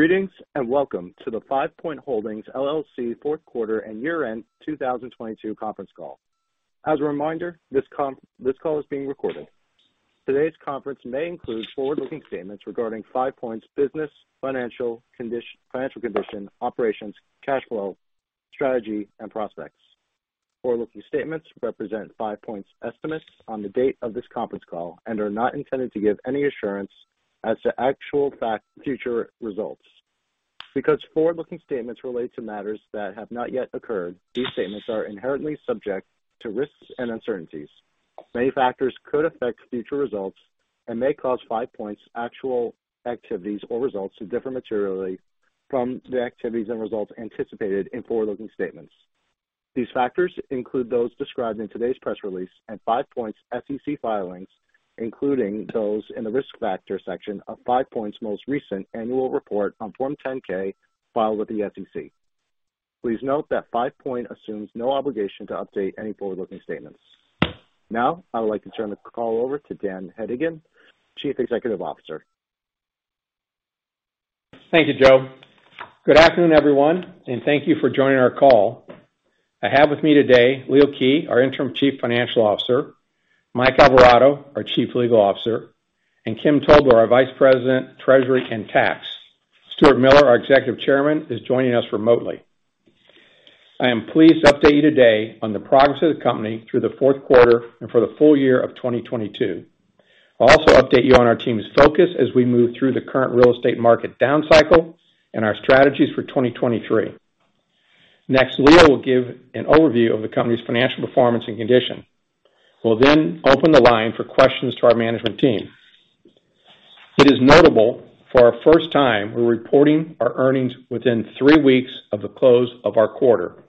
Greetings, welcome to the Five Point Holdings, LLC fourth quarter and year-end 2022 conference call. As a reminder, this call is being recorded. Today's conference may include forward-looking statements regarding Five Point's business, financial condition, operations, cash flow, strategy, and prospects. Forward-looking statements represent Five Point's estimates on the date of this conference call and are not intended to give any assurance as to actual fact future results. Because forward-looking statements relate to matters that have not yet occurred, these statements are inherently subject to risks and uncertainties. Many factors could affect future results and may cause Five Point's actual activities or results to differ materially from the activities and results anticipated in forward-looking statements. These factors include those described in today's press release and Five Point's SEC filings, including those in the Risk Factors section of Five Point's most recent annual report on Form 10-K filed with the SEC. Please note that Five Point assumes no obligation to update any forward-looking statements. Now, I would like to turn the call over to Dan Hedigan, Chief Executive Officer. Thank you, Joe. Good afternoon, everyone. Thank you for joining our call. I have with me today Leo Kij, our Interim Chief Financial Officer, Mike Alvarado, our Chief Legal Officer, and Kim Tobler, our Vice President, Treasury and Tax. Stuart Miller, our Executive Chairman, is joining us remotely. I am pleased to update you today on the progress of the company through the fourth quarter and for the full year of 2022. I'll also update you on our team's focus as we move through the current real estate market down cycle and our strategies for 2023. Leo will give an overview of the company's financial performance and condition. We'll open the line for questions to our management team. It is notable for our first time we're reporting our earnings within three weeks of the close of our quarter.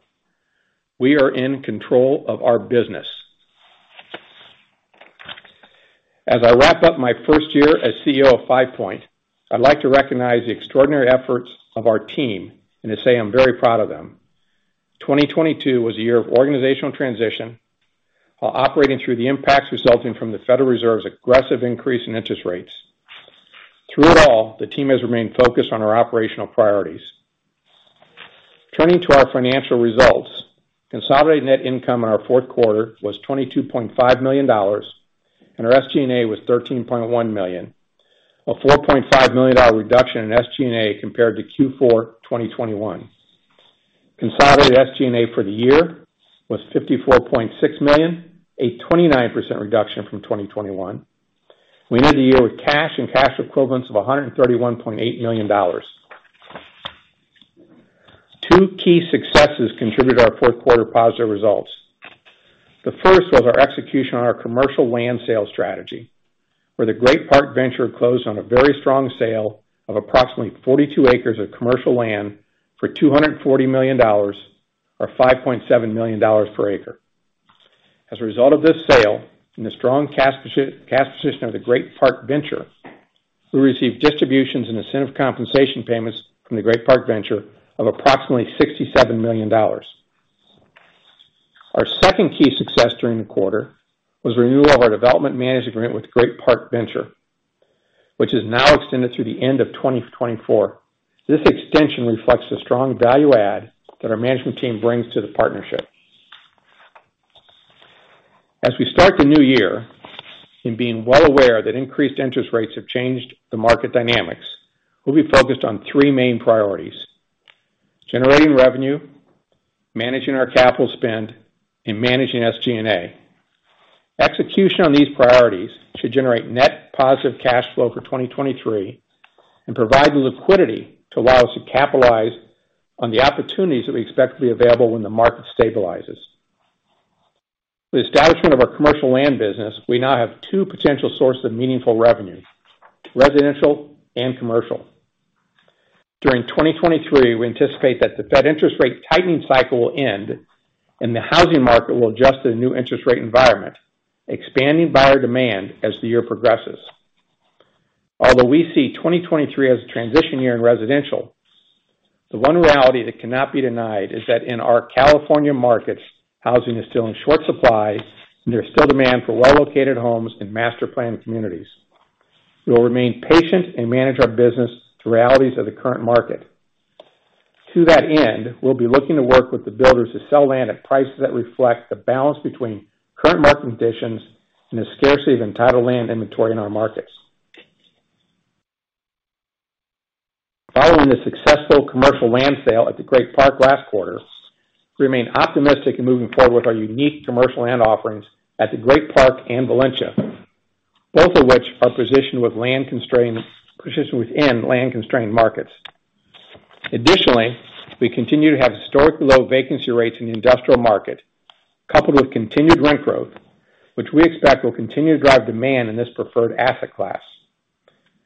We are in control of our business. As I wrap up my first year as CEO of Five Point, I'd like to recognize the extraordinary efforts of our team and to say I'm very proud of them. 2022 was a year of organizational transition while operating through the impacts resulting from the Federal Reserve's aggressive increase in interest rates. Through it all, the team has remained focused on our operational priorities. Turning to our financial results, consolidated net income in our fourth quarter was $22.5 million, and our SG&A was $13.1 million, a $4.5 million reduction in SG&A compared to Q4 2021. Consolidated SG&A for the year was $54.6 million, a 29% reduction from 2021. We ended the year with cash and cash equivalents of $131.8 million. 2 key successes contributed to our fourth quarter positive results. The first was our execution on our commercial land sales strategy, where the Great Park Venture closed on a very strong sale of approximately 42 acres of commercial land for $240 million or $5.7 million per acre. As a result of this sale and the strong cash position of the Great Park Venture, we received distributions and incentive compensation payments from the Great Park Venture of approximately $67 million. Our second key success during the quarter was renewal of our development management with Great Park Venture, which is now extended through the end of 2024. This extension reflects the strong value add that our management team brings to the partnership. As we start the new year and being well aware that increased interest rates have changed the market dynamics, we'll be focused on three main priorities: generating revenue, managing our capital spend, and managing SG&A. Execution on these priorities should generate net positive cash flow for 2023 and provide the liquidity to allow us to capitalize on the opportunities that we expect to be available when the market stabilizes. With the establishment of our commercial land business, we now have two potential sources of meaningful revenue, residential and commercial. During 2023, we anticipate that the Fed interest rate tightening cycle will end, and the housing market will adjust to the new interest rate environment, expanding buyer demand as the year progresses. Although we see 2023 as a transition year in residential, the one reality that cannot be denied is that in our California markets, housing is still in short supply, and there's still demand for well-located homes and master-planned communities. We will remain patient and manage our business through realities of the current market. To that end, we'll be looking to work with the builders to sell land at prices that reflect the balance between current market conditions and the scarcity of entitled land inventory in our markets. Following the successful commercial land sale at The Great Park last quarter, we remain optimistic in moving forward with our unique commercial land offerings at The Great Park and Valencia, both of which are positioned within land-constrained markets. We continue to have historically low vacancy rates in the industrial market, coupled with continued rent growth, which we expect will continue to drive demand in this preferred asset class.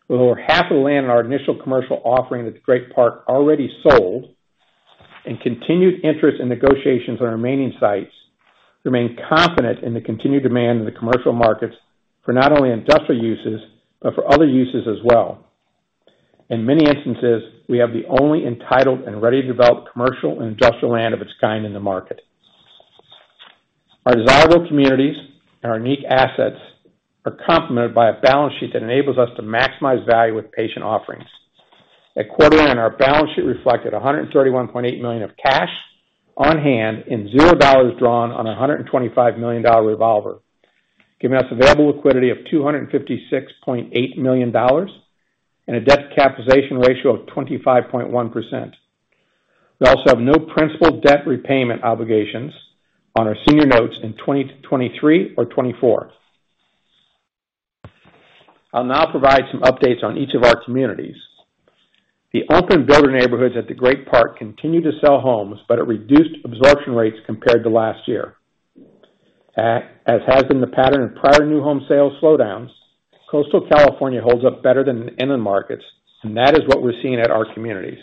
With over half of the land in our initial commercial offering at The Great Park already sold and continued interest in negotiations on our remaining sites, we remain confident in the continued demand in the commercial markets for not only industrial uses, but for other uses as well. In many instances, we have the only entitled and ready-to-develop commercial and industrial land of its kind in the market. Our desirable communities and our unique assets are complemented by a balance sheet that enables us to maximize value with patient offerings. At quarter-end, our balance sheet reflected $131.8 million of cash on hand and $0 drawn on a $125 million revolver, giving us available liquidity of $256.8 million and a debt capitalization ratio of 25.1%. We also have no principal debt repayment obligations on our senior notes in 2023 or 2024. I'll now provide some updates on each of our communities. The open builder neighborhoods at The Great Park continue to sell homes, but at reduced absorption rates compared to last year. As has been the pattern in prior new home sales slowdowns, coastal California holds up better than inland markets, and that is what we're seeing at our communities.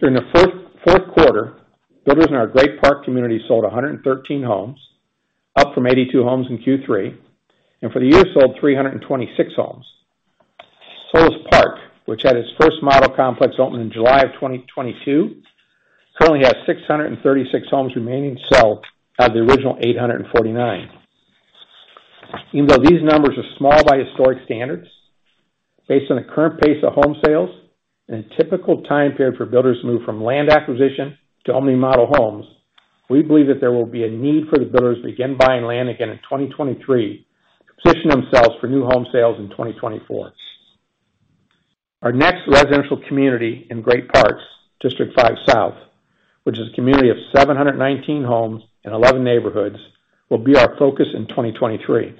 During the fourth quarter, builders in our Great Park community sold 113 homes, up from 82 homes in Q3. For the year, sold 326 homes. Solis Park, which had its first model complex open in July of 2022, currently has 636 homes remaining to sell out of the original 849. Even though these numbers are small by historic standards, based on the current pace of home sales and a typical time period for builders to move from land acquisition to opening model homes, we believe that there will be a need for the builders to begin buying land again in 2023 to position themselves for new home sales in 2024. Our next residential community in Great Park, District 5 South, which is a community of 719 homes and 11 neighborhoods, will be our focus in 2023.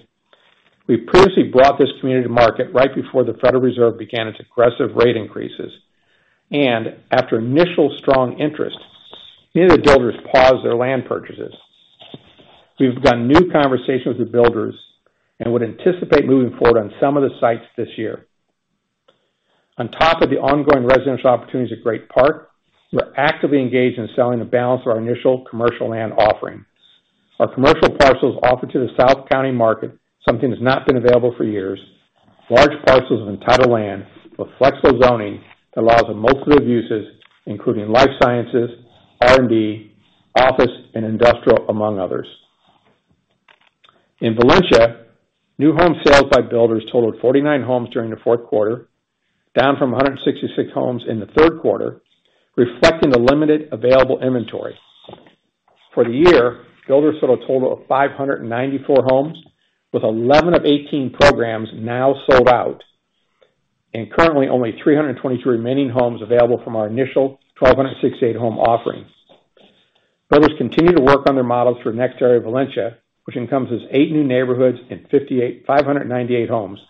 We previously brought this community to market right before the Federal Reserve began its aggressive rate increases. After initial strong interest, many of the builders paused their land purchases. We've begun new conversations with builders and would anticipate moving forward on some of the sites this year. On top of the ongoing residential opportunities at Great Park, we're actively engaged in selling the balance of our initial commercial land offering. Our commercial parcels offer to the South County market something that's not been available for years, large parcels of entitled land with flexible zoning that allows for multiple uses, including life sciences, R&D, office, and industrial, among others. In Valencia, new home sales by builders totaled 49 homes during the fourth quarter, down from 166 homes in the third quarter, reflecting the limited available inventory. For the year, builders sold a total of 594 homes, with 11 of 18 programs now sold out, and currently only 323 remaining homes available from our initial 1,268 home offerings. Builders continue to work on their models for the next area of Valencia, which encompasses eight new neighborhoods and 58,598 homes.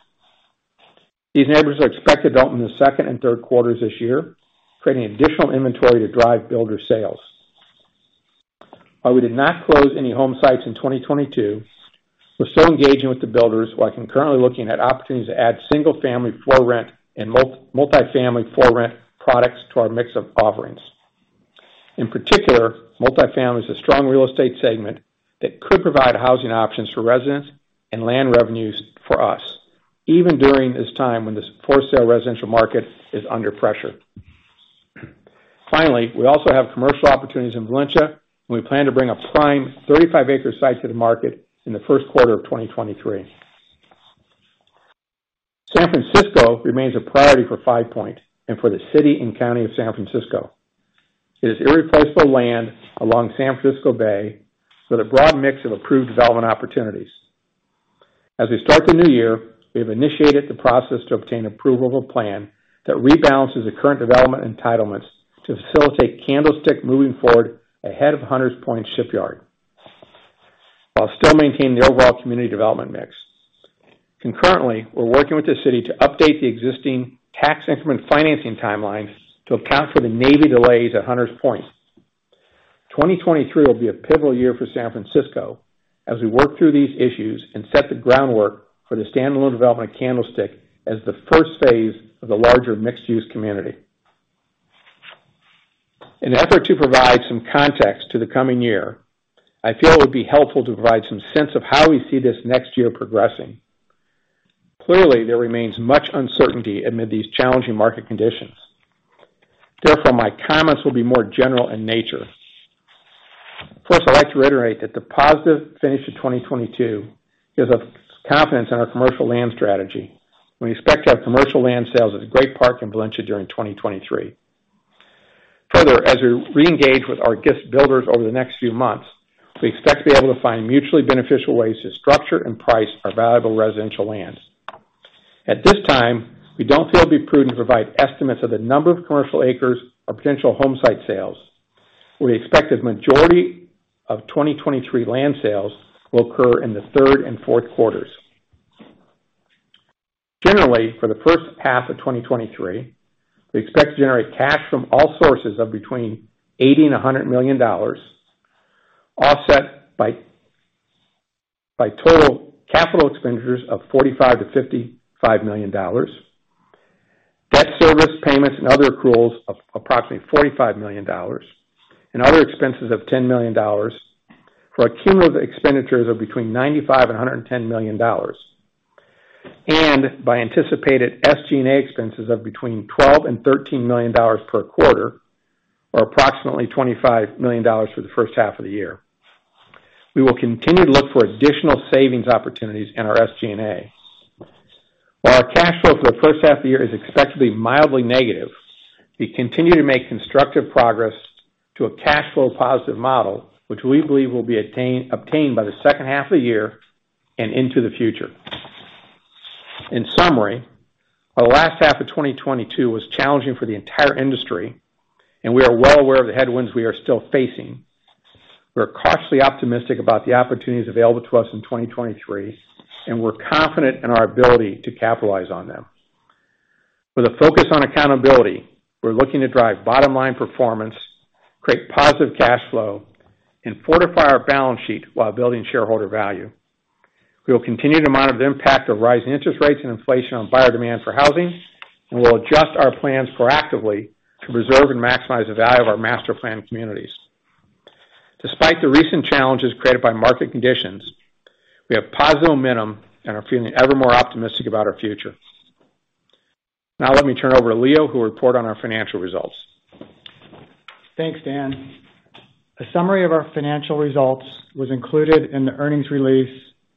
These neighborhoods are expected to open in the second and third quarters this year, creating additional inventory to drive builder sales. While we did not close any home sites in 2022, we're still engaging with the builders while concurrently looking at opportunities to add single-family for-rent and multifamily for-rent products to our mix of offerings. In particular, multifamily is a strong real estate segment that could provide housing options for residents and land revenues for us, even during this time when this for-sale residential market is under pressure. We also have commercial opportunities in Valencia, and we plan to bring a prime 35 acre site to the market in the first quarter of 2023. San Francisco remains a priority for Five Point and for the city and county of San Francisco. It is irreplaceable land along San Francisco Bay with a broad mix of approved development opportunities. As we start the new year, we have initiated the process to obtain approval of a plan that rebalances the current development entitlements to facilitate Candlestick moving forward ahead of Hunters Point Shipyard, while still maintaining the overall community development mix. Concurrently, we're working with the city to update the existing Tax Increment Financing timeline to account for the Navy delays at Hunters Point. 2023 will be a pivotal year for San Francisco as we work through these issues and set the groundwork for the standalone development of Candlestick as the first phase of the larger mixed-use community. In an effort to provide some context to the coming year, I feel it would be helpful to provide some sense of how we see this next year progressing. Clearly, there remains much uncertainty amid these challenging market conditions. Therefore, my comments will be more general in nature. First, I'd like to reiterate that the positive finish to 2022 gives us confidence in our commercial land strategy. We expect to have commercial land sales at Great Park and Valencia during 2023. As we reengage with our guest builders over the next few months, we expect to be able to find mutually beneficial ways to structure and price our valuable residential lands. At this time, we don't feel it'd be prudent to provide estimates of the number of commercial acres or potential home site sales. We expect that the majority of 2023 land sales will occur in the third and fourth quarters. Generally, for the first half of 2023, we expect to generate cash from all sources of between $80 million and $100 million, offset by total capital expenditures of $45 million-$55 million, debt service payments and other accruals of approximately $45 million, and other expenses of $10 million for accumulative expenditures of between $95 million and $110 million. By anticipated SG&A expenses of between $12 million and $13 million per quarter, or approximately $25 million for the first half of the year. We will continue to look for additional savings opportunities in our SG&A. While our cash flow for the first half of the year is expected to be mildly negative, we continue to make constructive progress to a cash flow positive model, which we believe will be obtained by the second half of the year and into the future. In summary, our last half of 2022 was challenging for the entire industry. We are well aware of the headwinds we are still facing. We're cautiously optimistic about the opportunities available to us in 2023. We're confident in our ability to capitalize on them. With a focus on accountability, we're looking to drive bottom line performance, create positive cash flow, and fortify our balance sheet while building shareholder value. We will continue to monitor the impact of rising interest rates and inflation on buyer demand for housing. We'll adjust our plans proactively to preserve and maximize the value of our master-planned communities. Despite the recent challenges created by market conditions, we have positive momentum and are feeling ever more optimistic about our future. Now let me turn over to Leo, who will report on our financial results. Thanks, Dan. A summary of our financial results was included in the earnings release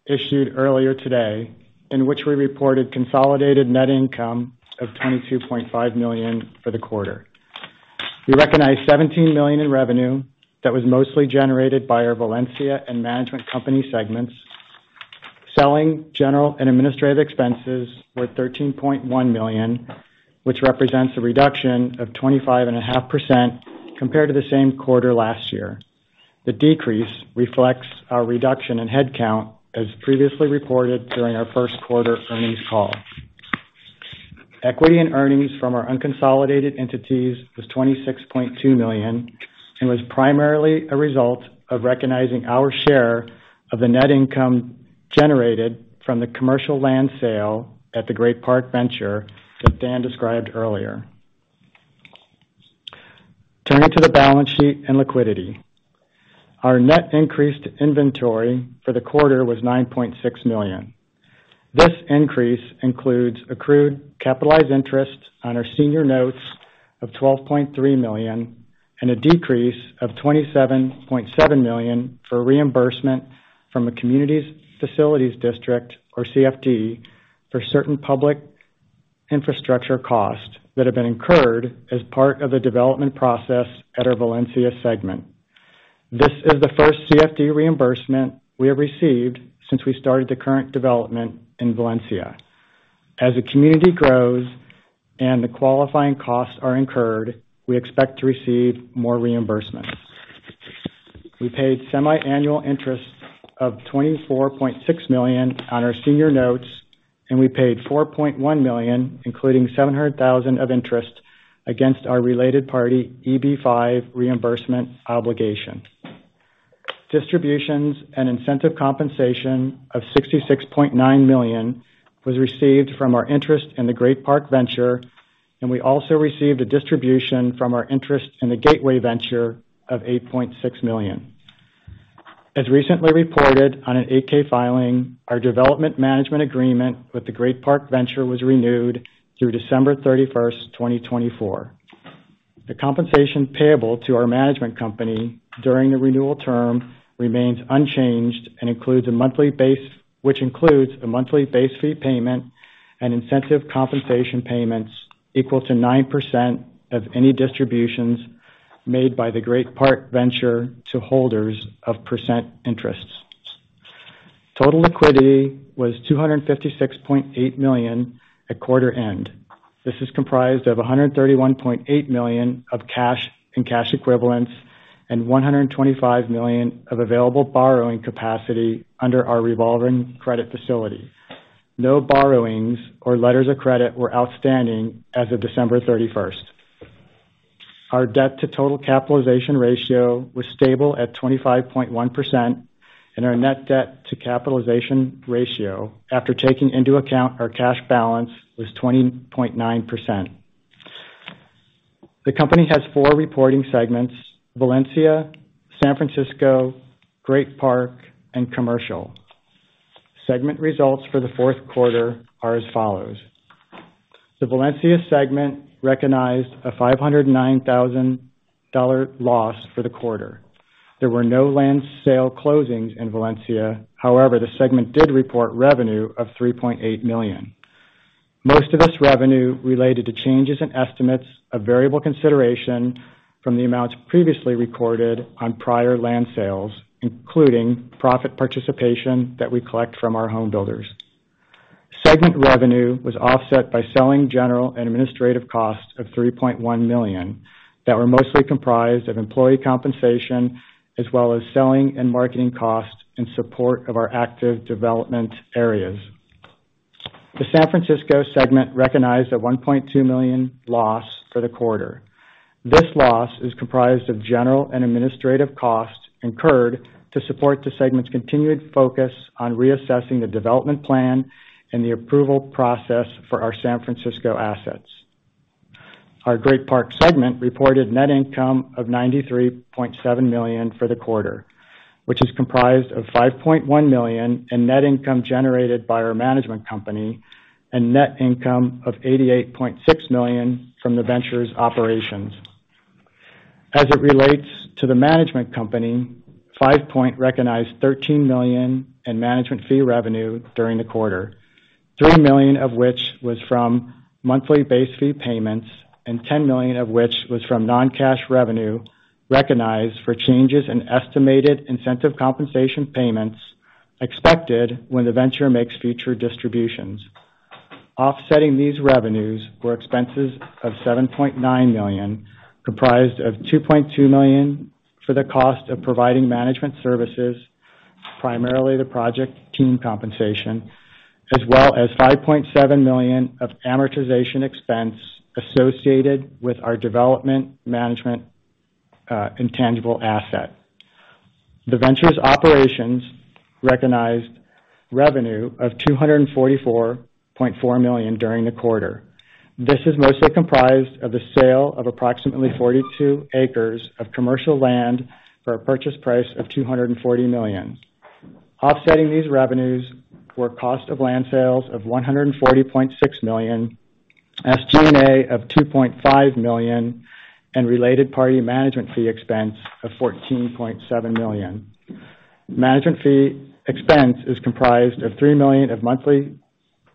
issued earlier today, in which we reported consolidated net income of $22.5 million for the quarter. We recognized $17 million in revenue that was mostly generated by our Valencia and management company segments. Selling, General & Administrative expenses were $13.1 million, which represents a reduction of 25.5% compared to the same quarter last year. The decrease reflects our reduction in headcount, as previously reported during our 1st quarter earnings call. Equity and earnings from our unconsolidated entities was $26.2 million, and was primarily a result of recognizing our share of the net income generated from the commercial land sale at the Great Park Venture that Dan described earlier. Turning to the balance sheet and liquidity. Our net increase to inventory for the quarter was $9.6 million. This increase includes accrued capitalized interest on our senior notes of $12.3 million, and a decrease of $27.7 million for reimbursement from a Community Facilities District, or CFD, for certain public infrastructure costs that have been incurred as part of the development process at our Valencia segment. This is the first CFD reimbursement we have received since we started the current development in Valencia. As the community grows and the qualifying costs are incurred, we expect to receive more reimbursement. We paid semi-annual interest of $24.6 million on our senior notes. We paid $4.1 million, including $700,000 of interest, against our related party EB-5 reimbursement obligation. Distributions and incentive compensation of $66.9 million was received from our interest in the Great Park Venture, and we also received a distribution from our interest in the Gateway Venture of $8.6 million. As recently reported on an 8-K filing, our development management agreement with the Great Park Venture was renewed through December 31st, 2024. The compensation payable to our management company during the renewal term remains unchanged and Which includes a monthly base fee payment and incentive compensation payments equal to 9% of any distributions made by the Great Park Venture to holders of percent interests. Total liquidity was $256.8 million at quarter end. This is comprised of $131.8 million of cash and cash equivalents and $125 million of available borrowing capacity under our revolving credit facility. No borrowings or letters of credit were outstanding as of December 31st. Our debt to total capitalization ratio was stable at 25.1%. Our net debt to capitalization ratio, after taking into account our cash balance, was 20.9%. The company has four reporting segments, Valencia, San Francisco, Great Park, and Commercial. Segment results for the fourth quarter are as follows: The Valencia segment recognized a $509,000 loss for the quarter. There were no land sale closings in Valencia. The segment did report revenue of $3.8 million. Most of this revenue related to changes in estimates of variable consideration from the amounts previously recorded on prior land sales, including profit participation that we collect from our home builders. Segment revenue was offset by Selling, General & Administrative costs of $3.1 million that were mostly comprised of employee compensation, as well as selling and marketing costs in support of our active development areas. The San Francisco segment recognized a $1.2 million loss for the quarter. This loss is comprised of general and administrative costs incurred to support the segment's continued focus on reassessing the development plan and the approval process for our San Francisco assets. Our Great Park segment reported net income of $93.7 million for the quarter, which is comprised of $5.1 million in net income generated by our management company and net income of $88.6 million from the venture's operations. As it relates to the management company, Five Point recognized $13 million in management fee revenue during the quarter, $3 million of which was from monthly base fee payments and $10 million of which was from non-cash revenue recognized for changes in estimated incentive compensation payments expected when the venture makes future distributions. Offsetting these revenues were expenses of $7.9 million, comprised of $2.2 million for the cost of providing management services, primarily the project team compensation, as well as $5.7 million of amortization expense associated with our development management intangible asset. The venture's operations recognized revenue of $244.4 million during the quarter. This is mostly comprised of the sale of approximately 42 acres of commercial land for a purchase price of $240 million. Offsetting these revenues were cost of land sales of $140.6 million, SG&A of $2.5 million, and related party management fee expense of $14.7 million. Management fee expense is comprised of $3 million of monthly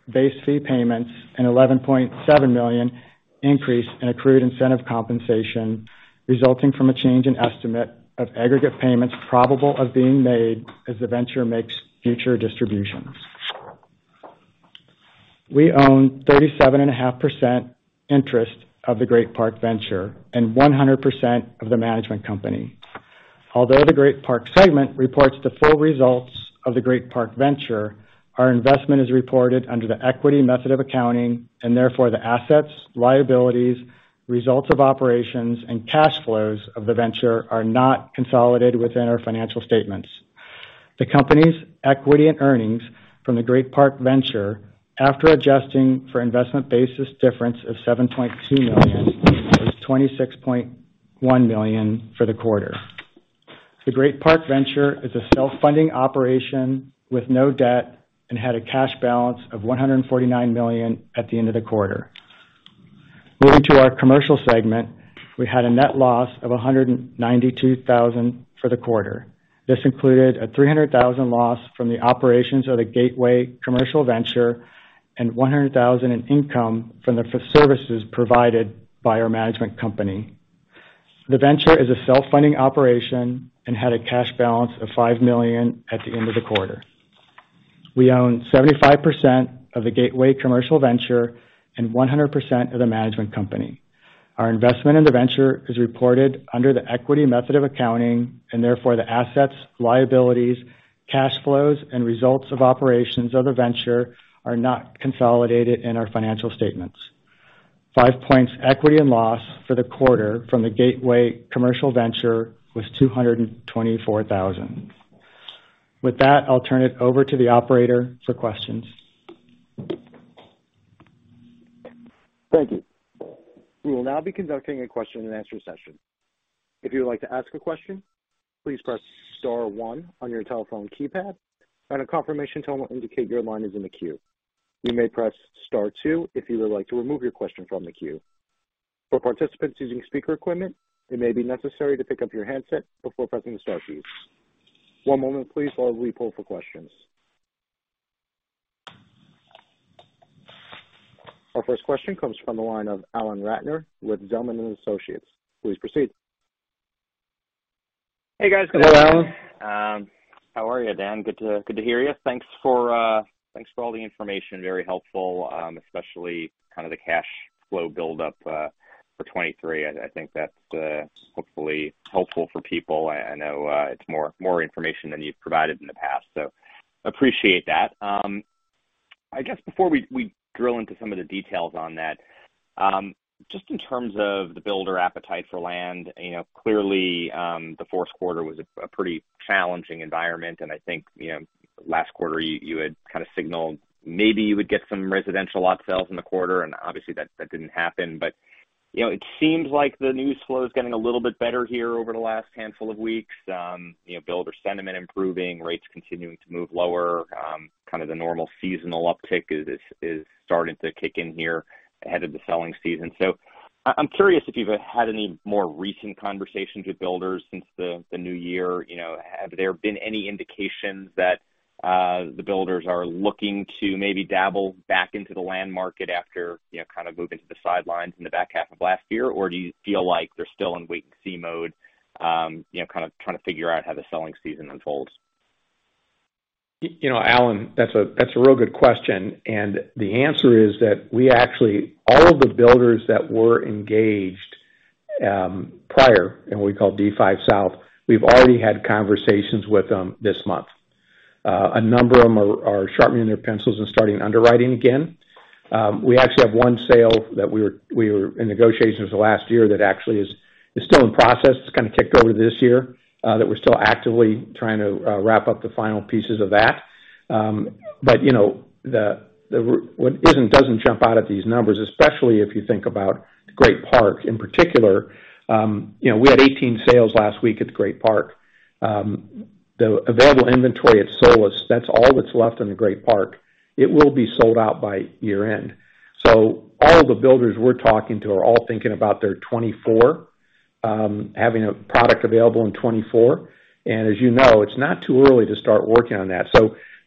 base fee payments and $11.7 million increase in accrued incentive compensation, resulting from a change in estimate of aggregate payments probable of being made as the venture makes future distributions. We own 37.5% interest of the Great Park Venture and 100% of the management company. Although the Great Park segment reports the full results of the Great Park Venture, our investment is reported under the equity method of accounting, and therefore the assets, liabilities, results of operations and cash flows of the venture are not consolidated within our financial statements. The company's equity and earnings from the Great Park Venture, after adjusting for investment basis difference of $7.2 million, was $26.1 million for the quarter. The Great Park Venture is a self-funding operation with no debt and had a cash balance of $149 million at the end of the quarter. Moving to our commercial segment, we had a net loss of $192,000 for the quarter. This included a $300,000 loss from the operations of the Gateway Commercial Venture and $100,000 in income from the services provided by our management company. The venture is a self-funding operation and had a cash balance of $5 million at the end of the quarter. We own 75% of the Gateway Commercial Venture and 100% of the management company. Our investment in the venture is reported under the equity method of accounting and therefore the assets, liabilities, cash flows, and results of operations of the venture are not consolidated in our financial statements. Five Point's equity and loss for the quarter from the Gateway Commercial Venture was $224,000. With that, I'll turn it over to the operator for questions. Thank you. We will now be conducting a question and answer session. If you would like to ask a question, please press star one on your telephone keypad and a confirmation tone will indicate your line is in the queue. You may press star two if you would like to remove your question from the queue. For participants using speaker equipment, it may be necessary to pick up your handset before pressing the star keys. One moment please while we pull for questions. Our first question comes from the line of Alan Ratner with Zelman & Associates. Please proceed. Hey, guys. Hello, Alan. How are you, Dan? Good to hear you. Thanks for all the information. Very helpful, especially kind of the cash flow build up for 2023. I think that's hopefully helpful for people. I know it's more, more information than you've provided in the past, so appreciate that. I guess before we drill into some of the details on that, just in terms of the builder appetite for land, you know, clearly the fourth quarter was a pretty challenging environment. I think, you know, last quarter you had kind of signaled maybe you would get some residential lot sales in the quarter and obviously that didn't happen. You know, it seems like the news flow is getting a little bit better here over the last handful of weeks. You know, builder sentiment improving, rates continuing to move lower, kind of the normal seasonal uptick is starting to kick in here ahead of the selling season. I'm curious if you've had any more recent conversations with builders since the new year. You know, have there been any indications that the builders are looking to maybe dabble back into the land market after, you know, kind of moving to the sidelines in the back half of last year? Or do you feel like they're still in wait and see mode, you know, kind of trying to figure out how the selling season unfolds? You know, Alan, that's a real good question. The answer is that we actually all of the builders that were engaged prior in what we call D5 South, we've already had conversations with them this month. A number of them are sharpening their pencils and starting underwriting again. We actually have one sale that we were in negotiations the last year that actually is still in process. It's kind of kicked over this year that we're still actively trying to wrap up the final pieces of that. You know, the what isn't, doesn't jump out at these numbers, especially if you think about Great Park in particular. You know, we had 18 sales last week at the Great Park. The available inventory at Solis, that's all that's left in the Great Park. It will be sold out by year-end. All the builders we're talking to are all thinking about their 2024, having a product available in 2024. As you know, it's not too early to start working on that.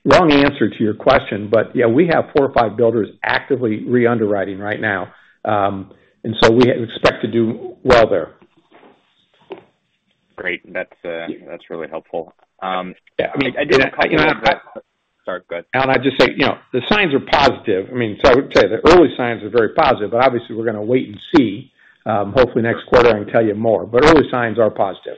Long answer to your question, but yeah, we have four or five builders actively re-underwriting right now. We expect to do well there. Great. That's really helpful. I mean. Yeah. Sorry, go ahead. Alan, I'd just say, you know, the signs are positive. I mean, I would say the early signs are very positive, but obviously we're gonna wait and see. Hopefully next quarter I can tell you more, but early signs are positive.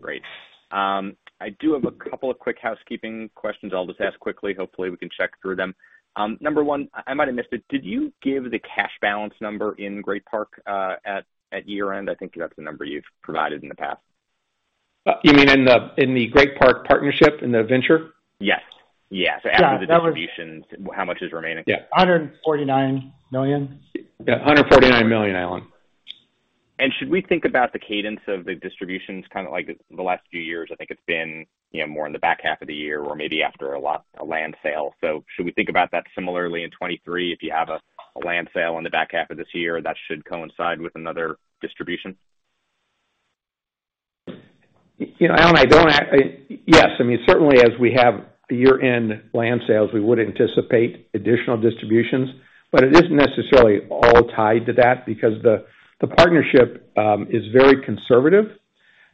Great. I do have a couple of quick housekeeping questions I'll just ask quickly. Hopefully, we can check through them. Number one, I might have missed it, did you give the cash balance number in Great Park at year-end? I think that's the number you've provided in the past. You mean in the Great Park partnership, in the venture? Yes. Yes. Yeah. That was- After the distributions, how much is remaining? Yeah. $149 million. Yeah, $149 million, Alan. Should we think about the cadence of the distributions, kind of like the last few years? I think it's been, you know, more in the back half of the year or maybe after a land sale. Should we think about that similarly in 2023, if you have a land sale in the back half of this year, that should coincide with another distribution? You know, Alan, I don't yes. I mean, certainly as we have year-end land sales, we would anticipate additional distributions, but it isn't necessarily all tied to that because the partnership is very conservative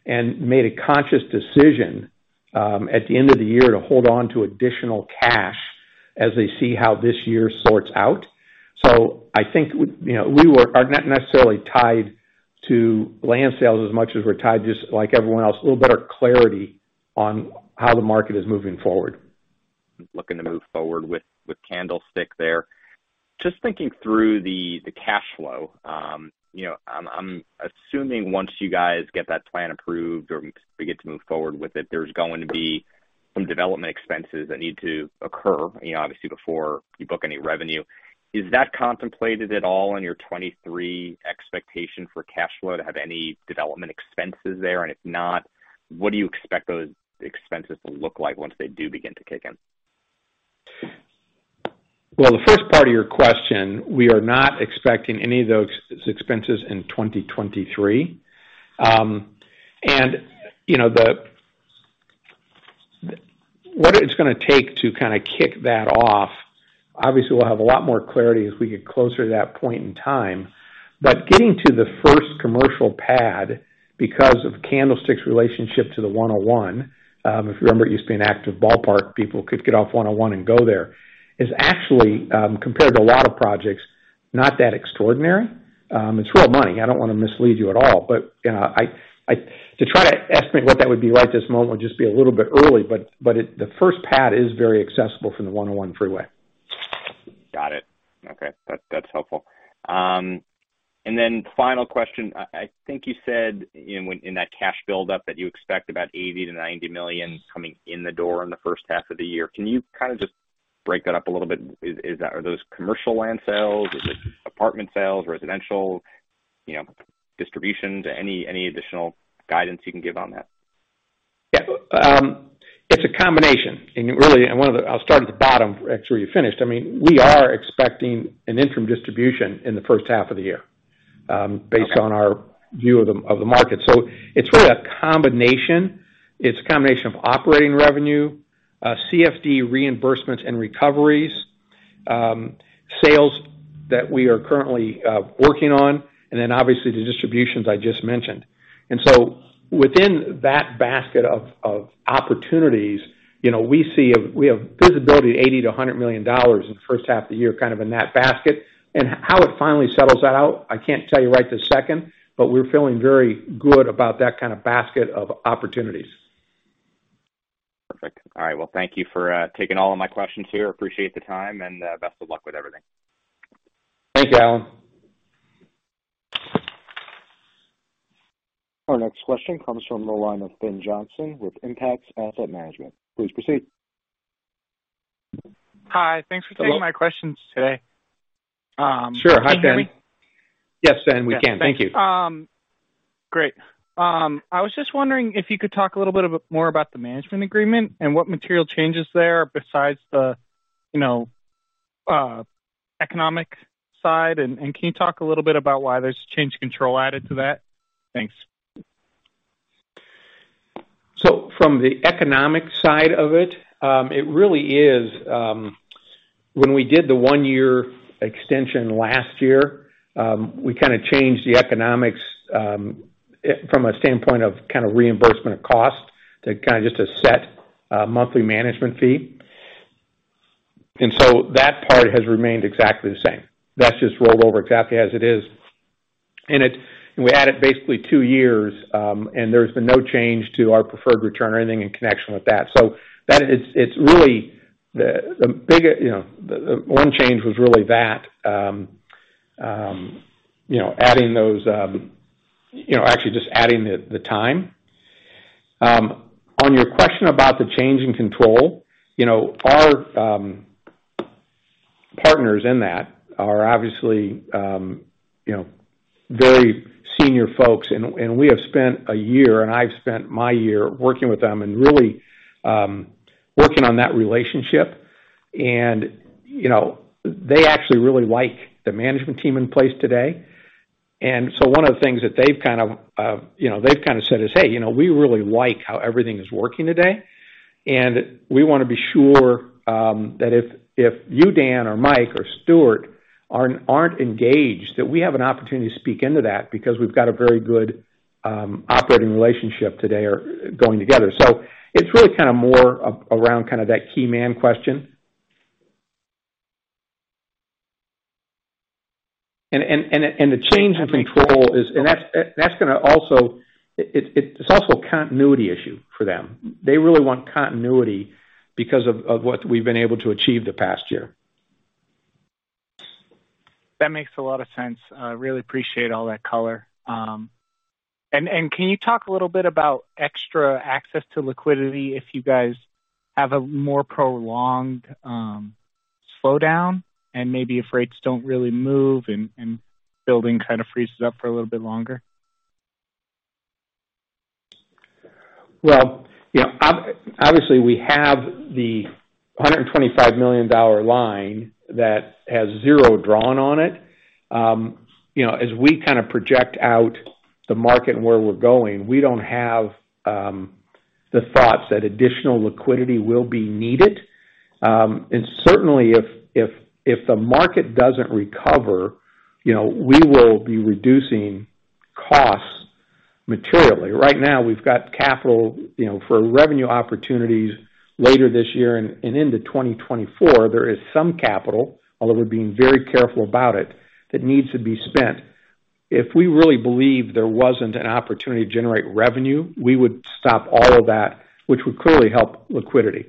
and made a conscious decision at the end of the year to hold on to additional cash as they see how this year sorts out. I think you know, we are not necessarily tied to land sales as much as we're tied, just like everyone else, a little better clarity on how the market is moving forward. Looking to move forward with Candlestick there. Just thinking through the cash flow, you know, I'm assuming once you guys get that plan approved or begin to move forward with it, there's going to be some development expenses that need to occur, you know, obviously before you book any revenue. Is that contemplated at all in your 2023 expectation for cash flow to have any development expenses there? If not, what do you expect those expenses to look like once they do begin to kick in? Well, the first part of your question, we are not expecting any of those expenses in 2023. You know, what it's gonna take to kinda kick that off, obviously we'll have a lot more clarity as we get closer to that point in time. Getting to the first commercial pad because of Candlestick's relationship to the 101, if you remember, it used to be an active ballpark, people could get off 101 and go there, is actually, compared to a lot of projects, not that extraordinary. It's real money. I don't wanna mislead you at all. You know, I to try to estimate what that would be like this moment would just be a little bit early, but the first pad is very accessible from the 101 freeway. Got it. Okay. That, that's helpful. Then final question. I think you said in that cash build up that you expect about $80 million-$90 million coming in the door in the first half of the year. Can you kind of just break that up a little bit? Are those commercial land sales? Is it apartment sales, residential, you know, distributions? Any additional guidance you can give on that? Yeah. It's a combination. I'll start at the bottom. It's where you finished. I mean, we are expecting an interim distribution in the first half of the year, based on our view of the, of the market. It's really a combination. It's a combination of operating revenue, CFD reimbursements and recoveries, sales that we are currently working on, obviously the distributions I just mentioned. Within that basket of opportunities, you know, we have visibility $80 million-$100 million in the first half of the year, kind of in that basket. How it finally settles out, I can't tell you right this second, but we're feeling very good about that kind of basket of opportunities. Perfect. All right. Well, thank you for taking all of my questions here. Appreciate the time and best of luck with everything. Thank you, Alan. Our next question comes from the line of Ben Johnson with Zelman & Associates. Please proceed. Hi. Hello. Thanks for taking my questions today. Sure. Hi, Ben. Can you hear me? Yes, Ben, we can. Thank you. Great. I was just wondering if you could talk a little bit more about the management agreement and what material changes there besides the, you know, economic side? Can you talk a little bit about why there's change control added to that? Thanks. From the economic side of it really is, when we did the one-year extension last year, we kinda changed the economics from a standpoint of kinda reimbursement of cost to kinda just a set monthly management fee. That part has remained exactly the same. That's just rolled over exactly as it is. We add it basically two years, and there's been no change to our preferred return or anything in connection with that. That is it's really the big, you know, the one change was really that, you know, adding those, you know, actually just adding the time. On your question about the change in control, you know, our partners in that are obviously, you know, very senior folks and we have spent a year, and I've spent my year working with them and really working on that relationship. You know, they actually really like the management team in place today. One of the things that they've kind of, you know, they've kind of said is, "Hey, you know, we really like how everything is working today. We wanna be sure that if you, Dan, or Mike, or Stuart aren't engaged, that we have an opportunity to speak into that because we've got a very good operating relationship today or going together." It's really kind of more around kind of that key man question. The change in control is... That's gonna also... It's also a continuity issue for them. They really want continuity because of what we've been able to achieve the past year. That makes a lot of sense. I really appreciate all that color. Can you talk a little bit about extra access to liquidity if you guys have a more prolonged slowdown and maybe if rates don't really move and building kind of freezes up for a little bit longer? Well, you know, obviously, we have the $125 million line that has zero drawn on it. You know, as we kind of project out the market and where we're going, we don't have the thoughts that additional liquidity will be needed. Certainly if the market doesn't recover, you know, we will be reducing costs materially. Right now, we've got capital, you know, for revenue opportunities later this year and into 2024, there is some capital, although we're being very careful about it, that needs to be spent. If we really believe there wasn't an opportunity to generate revenue, we would stop all of that, which would clearly help liquidity.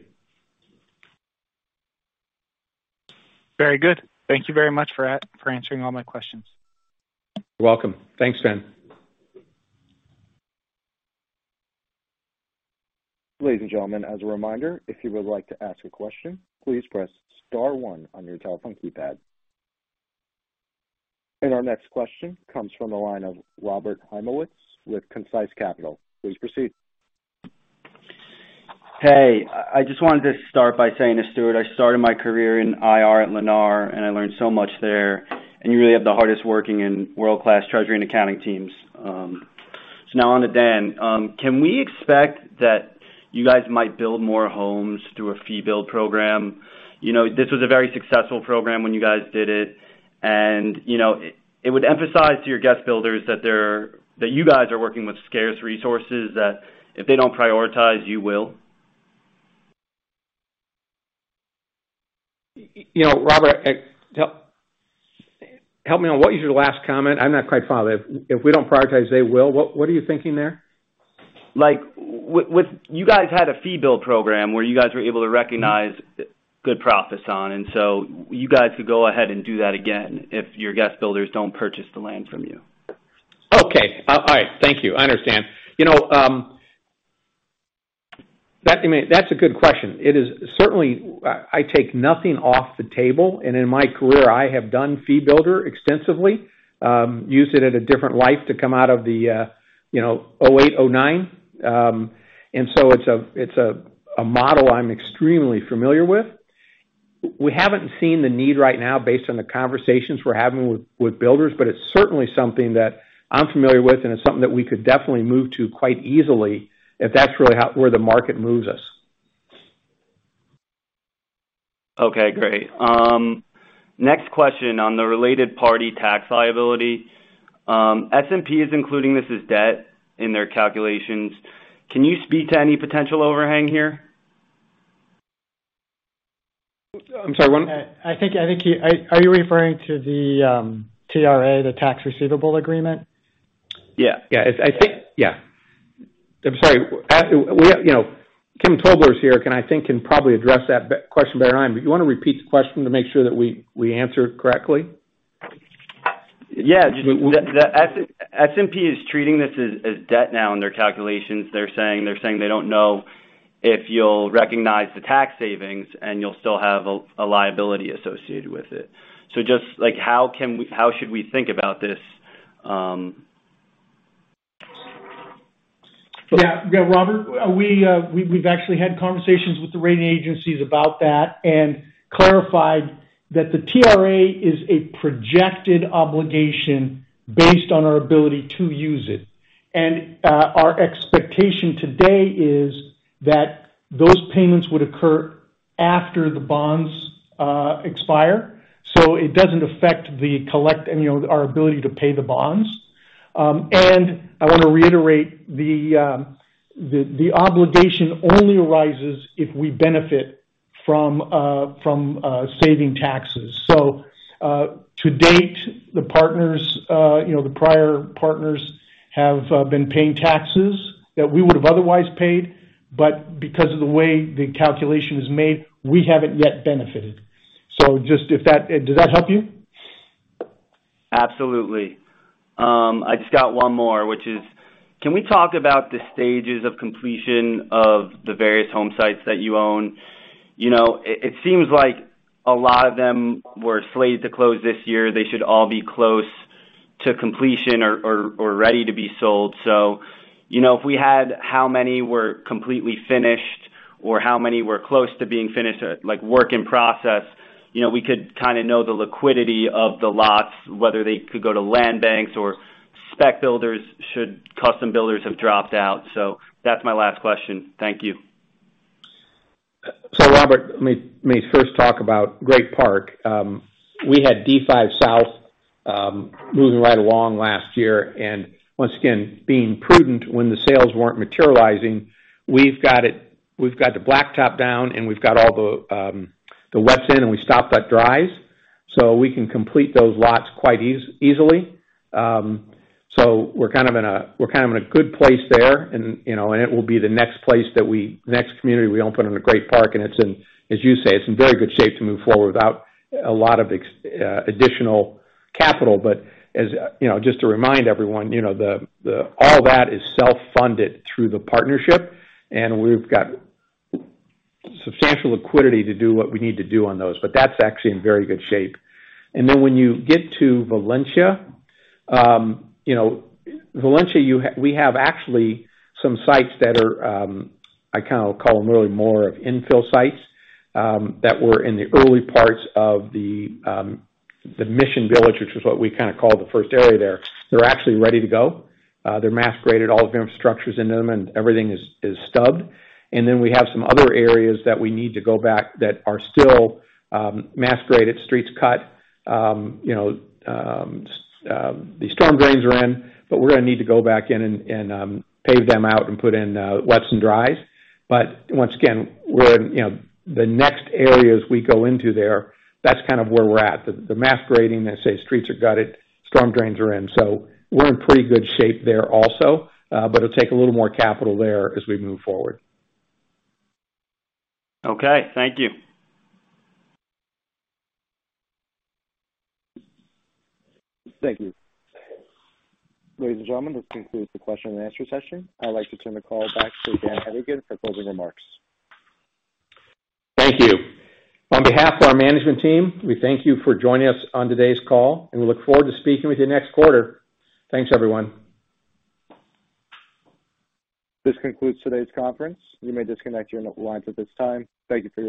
Very good. Thank you very much for answering all my questions. You're welcome. Thanks, Dan. Ladies and gentlemen, as a reminder, if you would like to ask a question, please press star one on your telephone keypad. Our next question comes from the line of Robert Heimowitz with Concise Capital. Please proceed. Hey, I just wanted to start by saying to Stuart, I started my career in IR at Lennar, and I learned so much there. You really have the hardest working and world-class treasury and accounting teams. Now on to Dan. Can we expect that you guys might build more homes through a fee build program? You know, this was a very successful program when you guys did it, and, you know, it would emphasize to your guest builders that you guys are working with scarce resources, that if they don't prioritize, you will. You know, Robert, help me on what was your last comment? I'm not quite following. If we don't prioritize, they will. What are you thinking there? Like, with You guys had a fee build program where you guys were able to recognize good profits on, and so you guys could go ahead and do that again if your guest builders don't purchase the land from you. Okay. All right. Thank you. I understand. You know, I mean, that's a good question. It is certainly, I take nothing off the table, and in my career, I have done fee builder extensively, used it at a different life to come out of the, you know, 2008, 2009. It's a, it's a model I'm extremely familiar with. We haven't seen the need right now based on the conversations we're having with builders, but it's certainly something that I'm familiar with, and it's something that we could definitely move to quite easily if that's really where the market moves us. Okay, great. Next question on the related party tax liability. S&P is including this as debt in their calculations. Can you speak to any potential overhang here? I'm sorry. I think you. Are you referring to the TRA, the tax receivable agreement? Yeah. It's I think... Yeah. I'm sorry. We, you know, Kim Tobler's here, can, I think, can probably address that question better than I am. Do you wanna repeat the question to make sure that we answer it correctly? Yeah. S&P is treating this as debt now in their calculations. They're saying they don't know if you'll recognize the tax savings and you'll still have a liability associated with it. Just like, how should we think about this? Yeah. Yeah. Robert, we've actually had conversations with the rating agencies about that and clarified that the TRA is a projected obligation based on our ability to use it. Our expectation today is that those payments would occur after the bonds expire. It doesn't affect the collect and, you know, our ability to pay the bonds. I wanna reiterate the obligation only arises if we benefit from saving taxes. To date, the partners, you know, the prior partners have been paying taxes that we would've otherwise paid, but because of the way the calculation is made, we haven't yet benefited. Just if that. Did that help you? Absolutely. I just got one more, which is, can we talk about the stages of completion of the various home sites that you own? You know, it seems like a lot of them were slated to close this year. They should all be close to completion or ready to be sold. You know, if we had how many were completely finished or how many were close to being finished, like work in process, you know, we could kinda know the liquidity of the lots, whether they could go to land banks or spec builders should custom builders have dropped out. That's my last question. Thank you. Robert, let me, let me first talk about Great Park. we had D5 South moving right along last year. Once again, being prudent when the sales weren't materializing, We've got the blacktop down, and we've got all the wets in, and we stopped at dries, so we can complete those lots quite easily. we're kind of in a good place there and, you know, and it will be the next place that next community we open under Great Park, and it's in, as you say, it's in very good shape to move forward without a lot of additional capital. As, you know, just to remind everyone, you know, all that is self-funded through the partnership, and we've got substantial liquidity to do what we need to do on those. That's actually in very good shape. When you get to Valencia, you know, Valencia, we have actually some sites that are, I kinda call them really more of infill sites, that were in the early parts of the Mission Village, which is what we kinda call the first area there. They're actually ready to go. They're mass graded, all of the infrastructure's into them, and everything is stubbed. We have some other areas that we need to go back that are still, mass graded, streets cut, you know, the storm drains are in, we're gonna need to go back in and pave them out and put in wets and dries. Once again, we're, you know, the next areas we go into there, that's kind of where we're at. The mass grading, let's say streets are gutted, storm drains are in. We're in pretty good shape there also, but it'll take a little more capital there as we move forward. Okay, thank you. Thank you. Ladies and gentlemen, this concludes the question and answer session. I'd like to turn the call back to Dan Hedigan for closing remarks. Thank you. On behalf of our management team, we thank you for joining us on today's call, and we look forward to speaking with you next quarter. Thanks, everyone. This concludes today's conference. You may disconnect your lines at this time. Thank you for your participation.